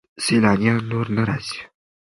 سیلانیان نور نه راځي.